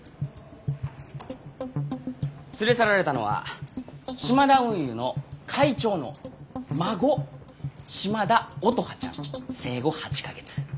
連れ去られたのはシマダ運輸の会長の孫島田乙葉ちゃん生後８か月。